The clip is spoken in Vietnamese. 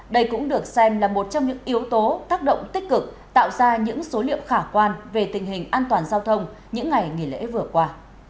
đây cũng được xem là một trong những yếu tố tác động tích cực tạo ra những số liệu khả quan về tình hình an toàn giao thông những ngày nghỉ lễ vừa qua